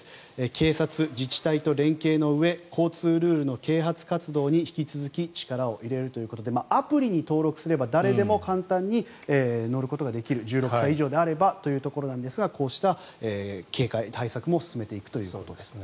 警察、自治体と連携のうえ交通ルールの啓発活動に引き続き力を入れるということでアプリに登録すれば誰でも簡単に乗ることができる１６歳以上であればということなんですがこうした警戒、対策も進めていくということですね。